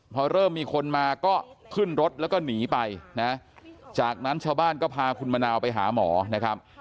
พอเริ่มมีคนมาก็ขึ้นรถแล้วก็หนีไปนะจากนั้นชาวบ้านก็พาคุณมะนาวไปหาหมอนะครับ